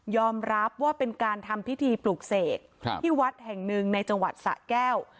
รับว่าเป็นการทำพิธีปลูกเสกที่วัดแห่งหนึ่งในจังหวัดสะแก้ว